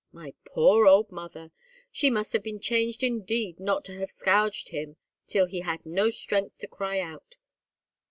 My poor old mother! She must have been changed indeed not to have scourged him till he had no strength to cry out."